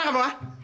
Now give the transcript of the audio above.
mau ke mana kebua